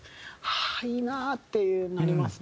はあいいなっていうなりますね。